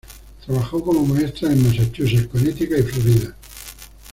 Trabajó como maestra en Massachusetts, Connecticut y Florida.